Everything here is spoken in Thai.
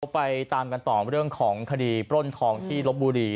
ไปตามกันต่อเรื่องของคดีปล้นทองที่ลบบุรี